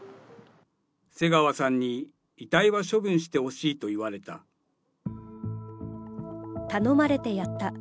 瀬川さんに遺体は処分してほ頼まれてやった。